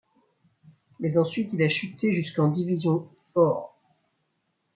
Mais ensuite il a chuté jusqu'en Division Four.